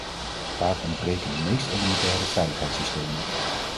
Vaak ontbreken de meest elementaire veiligheidssystemen.